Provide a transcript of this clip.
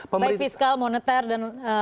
pemirsa moneter dan